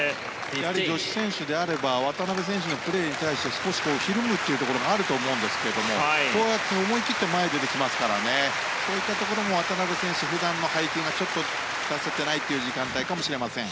女子選手であれば渡辺選手のプレーに対して少し、ひるむというところがあると思うんですけれどもこうやって思い切って前に出てきますからそういったところも渡辺選手、普段の配球がちょっと出せていないところがあるかもしれません。